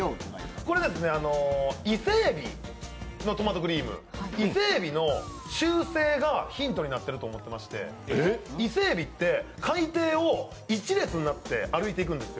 これ、イセエビのトマトクリーム伊勢えびの習性がヒントになっていると思っていまして、伊勢えびって海底を１列になって移動していくんですよ。